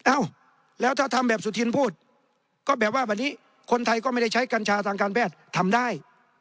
อ้าวแล้วถ้าทำแบบสุธินพูดก็แบบว่าวันนี้คนไทยก็ไม่ได้ใช้กัญชาทางการแพทย์ทำได้